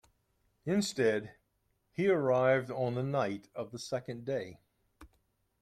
Instead, he arrived on the night of the second day.